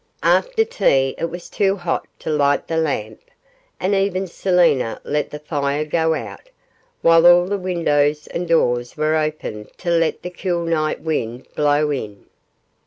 After tea it was too hot to light the lamp, and even Selina let the fire go out, while all the windows and doors were open to let the cool night wind blow in.